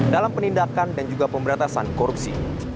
dalam penindakan dan juga pemberantasan korupsi